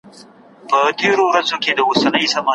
ړوند ښوونکي به په ګڼ ځای کي اوږده کیسه وکړي.